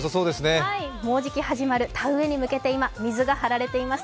もうじき始まる田植えに向けて水が張られてます。